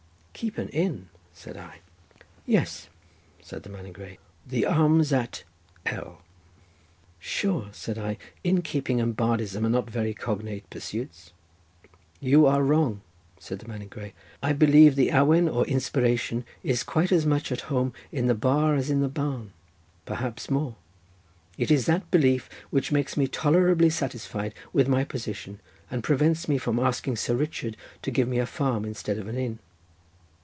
"Keep an inn?" said I. "Yes," said the man in grey. "The — Arms at L—." "Sure," said I, "inn keeping and bardism are not very cognate pursuits?" "You are wrong," said the man in grey, "I believe the awen, or inspiration, is quite as much at home in the bar as in the barn, perhaps more. It is that belief which makes me tolerably satisfied with my position, and prevents me from asking Sir Richard to give me a farm instead of an inn."